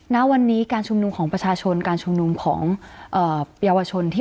ณวันนี้การชมนุมของประชาชน